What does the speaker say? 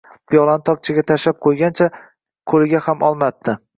Piyolani tokchaga tashlab qo‘ygancha qo‘liga ham olmabdi